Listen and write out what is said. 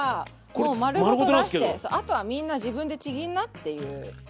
もう丸ごと出してそうあとはみんな自分でちぎんなっていうピーマンです。